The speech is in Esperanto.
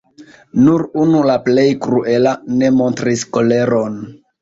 Nur unu, la plej kruela, ne montris koleron.